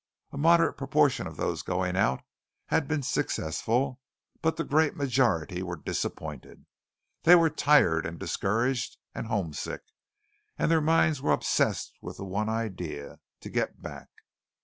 A moderate proportion of those going out had been successful, but the great majority were disappointed. They were tired, and discouraged, and homesick; and their minds were obsessed with the one idea to get back.